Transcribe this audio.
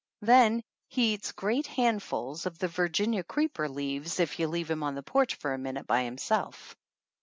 Then he eats great handsful of the Virginia Creeper leaves if you leave him on the porch for a min ute by himself.